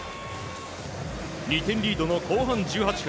２点リードの後半１８分。